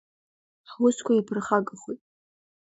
Ҳусқәа ирԥырхагахоит…